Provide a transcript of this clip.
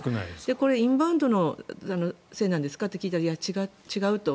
インバウンドのせいなんですか？って聞いたらいや、違うと。